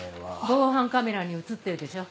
防犯カメラに写ってるでしょ。